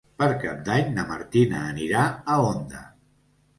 Per Cap d'Any na Martina anirà a Onda.